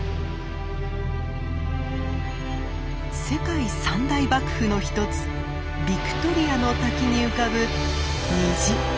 世界三大瀑布の一つビクトリアの滝に浮かぶ虹。